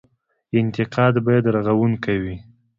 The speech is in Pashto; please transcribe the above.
انتقاد باید رغونکی وي